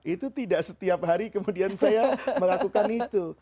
itu tidak setiap hari kemudian saya melakukan itu